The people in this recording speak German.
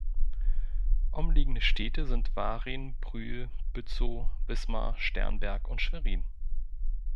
Umliegende Städte sind Warin, Brüel, Bützow, Wismar, Sternberg und Schwerin.